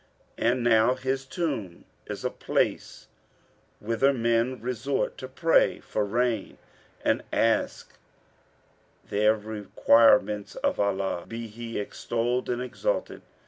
And now his tomb is a place whither men resort to pray for rain and ask their requirements of Allah (be He extolled and exalted!)